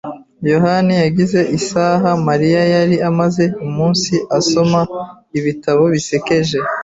yohani yagize isaha Mariya yari amaze umunsi asoma ibitabo bisekeje.